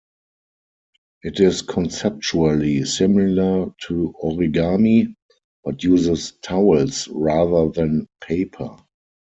It is conceptually similar to origami, but uses towels rather than paper.